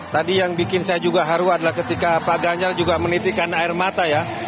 tadi yang bikin saya juga haru adalah ketika pak ganjar juga menitikan air mata ya